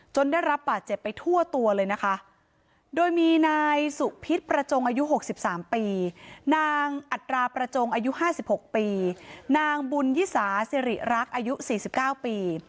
ได้รับบาดเจ็บไปทั่วตัวเลยนะคะโดยมีนายสุพิษประจงอายุ๖๓ปีนางอัตราประจงอายุ๕๖ปีนางบุญยิสาสิริรักษ์อายุ๔๙ปี